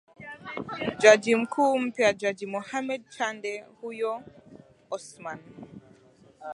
jaji mkuu mpya jaji mohammed chande huyo osman